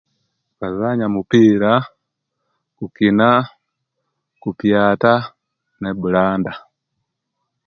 Bazanya omupiira kukiina kupyaata neblanda.